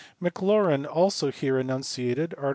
Maclaurin also here enunciated [art.